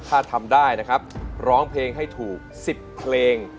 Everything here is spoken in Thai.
ถ้าทำได้นะครับร้องเพลงให้ถูก๑๐เพลง